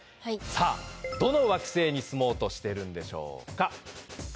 さぁどの惑星に住もうとしてるんでしょうか？